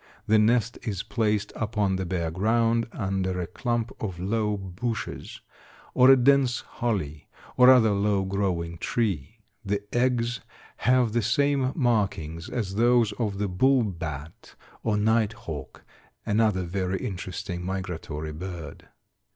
The nest is placed upon the bare ground, under a clump of low bushes, or a dense holly, or other low growing tree. The eggs have the same markings as those of the bull bat, or night hawk, another very interesting migratory bird.